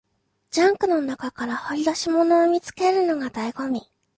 ジャンクの中から掘り出し物を見つけるのが醍醐味